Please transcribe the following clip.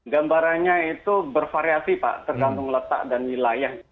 gambarannya itu bervariasi pak tergantung letak dan wilayah